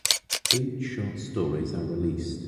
Eight short stories are released.